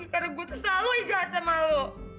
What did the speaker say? karena gue tuh selalu jahat sama lo